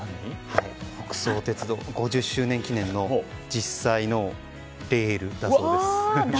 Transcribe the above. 北総鉄道５０周年記念の実際のレールだそうです。